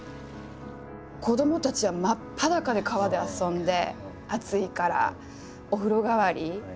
子どもたちは真っ裸で川で遊んで暑いからお風呂代わり。